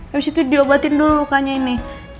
habis itu diobatin dulu lukanya ini